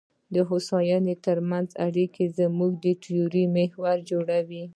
د هوساینې ترمنځ اړیکه زموږ د تیورۍ محور جوړوي.